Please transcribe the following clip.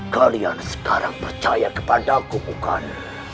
kalian sekarang percaya kepadaku bukan